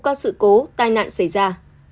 các sự cố tai nạn xảy ra